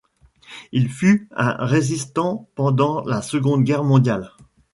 Il fut un résistant pendant la Seconde Guerre mondiale.